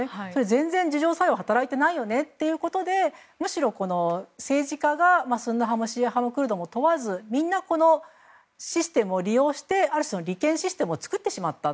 全然自浄作用が働いていないよねということでむしろ、政治家がスンニ派もシーア派もクルドも問わずみんなシステムを利用してある種の利権システムを作ってしまった。